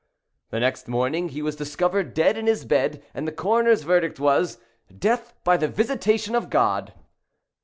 The next morning he was discovered dead in his bed, and the coroner's verdict was—"Death by the visitation of God."